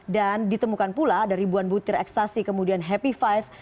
dan ditemukan pula dari buan butir eksasi kemudian happy five